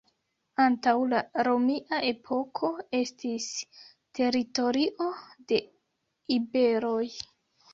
Antaŭ la romia epoko estis teritorio de iberoj.